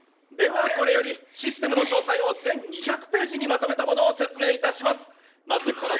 ではこれよりシステムの詳細を全２００ページにまとめたものを説明いたします。